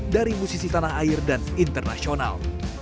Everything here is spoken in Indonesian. dari musisi tanah air dan internasional